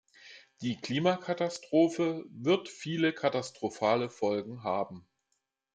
Die Klimakatastrophe wird viele katastrophale Folgen haben.